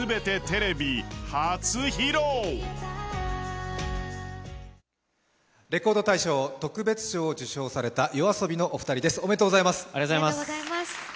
レコード大賞特別賞を受賞されたＹＯＡＳＯＢＩのお二人です、おめでとうございます。